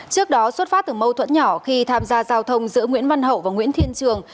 trước đó xuất phát từ mâu thuẫn nhỏ khi tham gia giao thông giữa nguyễn văn hậu và nguyễn thiên trường